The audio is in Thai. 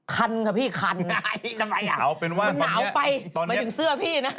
คันครับพี่คันมันหนาวไปไม่ถึงเสื้อพี่นะ